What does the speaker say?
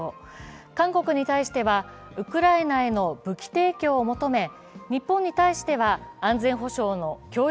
韓国に対してはウクライナへの武器提供を求め日本に対しては安全保障の協力